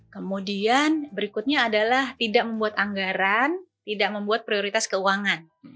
kemudian berikutnya adalah tidak membuat anggaran tidak membuat prioritas keuangan